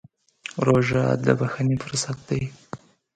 روژه د بښنې فرصت دی.